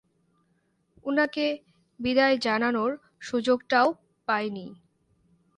উনাকে বিদায় জানানোর সুযোগটাও পাইনি!